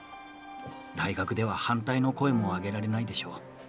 大学では反対の声も上げられないでしょう。